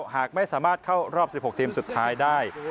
หากไม่สามารถเข้ารอบ๑๖ทีมสุดท้ายได้